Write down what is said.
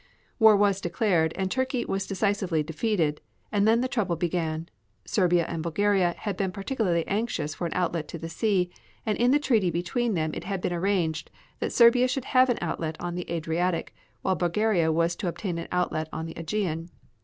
War was declared, and Turkey was decisively defeated, and then the trouble began. Serbia and Bulgaria had been particularly anxious for an outlet to the sea, and in the treaty between them it had been arranged that Serbia should have an outlet on the Adriatic, while Bulgaria was to obtain an outlet on the AEgean.